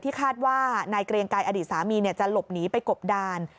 คาดว่านายเกรียงไกรอดีตสามีจะหลบหนีไปกบดาน